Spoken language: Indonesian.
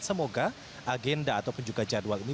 semoga agenda ataupun juga jadwal ini